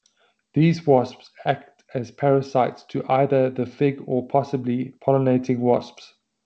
These wasps act as parasites to either the fig or possibly the pollinating wasps.